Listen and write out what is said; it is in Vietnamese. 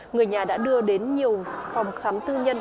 người nhà đã đưa đến nhiều phòng khám tư nhân